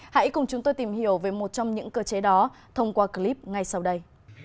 hãy cùng chúng tôi tìm hiểu về một trong những cơ chế đó thông qua clip ngay sau đây